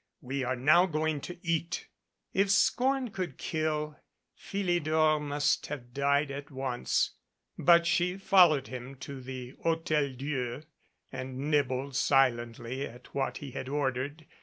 "We are now going to eat." If scorn could kill, Philidor must have died at once. But she followed him to the Hotel Dieu, and nibbled si lently at what he had ordered.